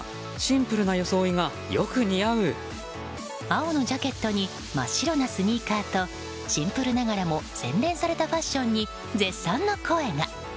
青のジャケットに真っ白なスニーカーとシンプルながらも洗練されたファッションに絶賛の声が。